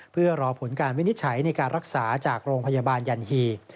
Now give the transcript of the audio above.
เพื่อรอผลการวินิจฉัยในการรักษาจากโรงพยาบาลยันฮี